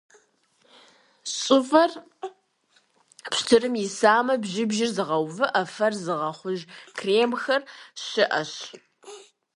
Щӏыфэр пщтырым исамэ, бжьыбжьыр зыгъэувыӏэ, фэр зыгъэхъуж кремхэр щыӏэщ.